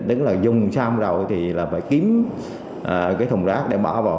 tức là dùng xăm rậu thì là phải kiếm cái thùng rác để bỏ vào